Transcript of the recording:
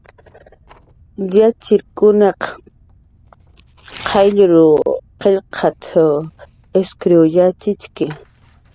Yatxchiriq qayllkun qillqt'a, iskriwt'kun yatxichki